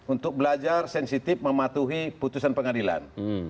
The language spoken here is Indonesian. untuk belajar sensitif mematuhi putusan pengadilan